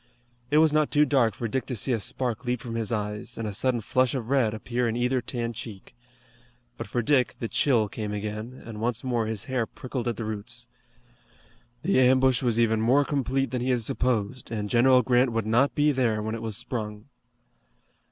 It was not too dark for Dick to see a spark leap from his eyes, and a sudden flush of red appear in either tanned cheek. But for Dick the chill came again, and once more his hair prickled at the roots. The ambush was even more complete than he had supposed, and General Grant would not be there when it was sprung.